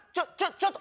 ちょっと。